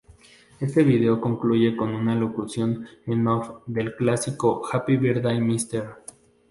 Este vídeo concluye con una locución en off del clásico “Happy Birthday, Mr.